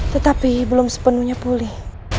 tetapi belum sepenuhnya pulih